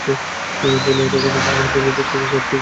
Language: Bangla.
বলিয়া তখনই তিনি মহেন্দ্রের তেতলার ঘর ঠিক করিবার জন্য উদ্যত হইলেন।